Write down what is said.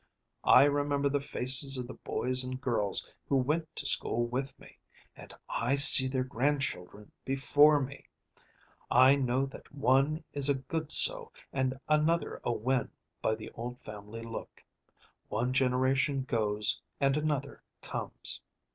I remember the faces of the boys and girls who went to school with me, and I see their grandchildren before me. I know that one is a Goodsoe and another a Winn by the old family look. One generation goes, and another comes.